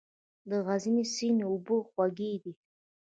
د غزني سیند اوبه خوږې دي؟